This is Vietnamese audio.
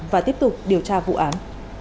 và tiếp tục điều tra vụ án